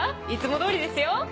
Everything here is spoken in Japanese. いつも通りですよ！